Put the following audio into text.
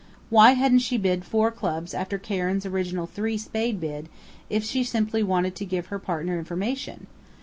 Why hadn't she bid four Clubs after Karen's original three Spade bid, if she simply wanted to give her partner information?...